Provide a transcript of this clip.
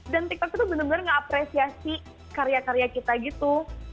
dan tiktok itu bener bener ngeapresiasi karya karya kita gitu